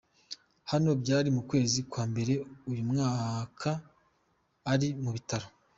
Hano byari mu kwezi kwa mbere uyu mwaka ari mu bitaro.